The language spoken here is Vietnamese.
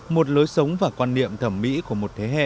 một lối sống và quan niệm thẩm mỹ của một thế hệ